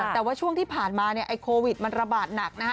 แต่ว่าช่วงที่ผ่านมาเนี่ยไอ้โควิดมันระบาดหนักนะฮะ